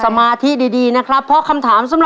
ตัวเลือดที่๓ม้าลายกับนกแก้วมาคอ